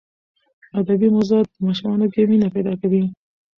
ادبي موضوعات په ماشومانو کې مینه پیدا کوي.